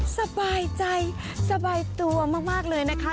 สบายใจสบายตัวมากเลยนะคะ